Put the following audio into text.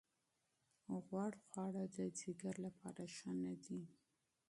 غوړ خواړه د ځیګر لپاره ښه نه دي.